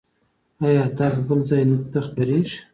ایا درد بل ځای ته خپریږي؟